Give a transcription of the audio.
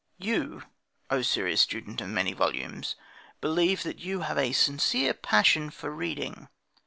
You, O serious student of many volumes, believe that you have a sincere passion for reading.